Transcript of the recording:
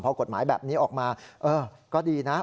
พอกฎหมายแบบนี้ออกมาก็ดีนะ